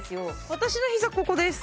私のひざここです。